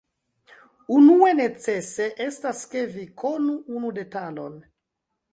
Unue necese estas, ke vi konu unu detalon.